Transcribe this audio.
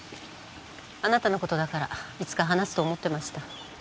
あなたのことだからいつか話すと思ってました。